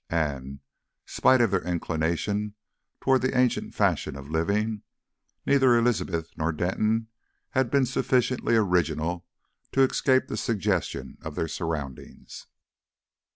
And, spite of their inclination towards the ancient fashion of living, neither Elizabeth nor Denton had been sufficiently original to escape the suggestion of their surroundings.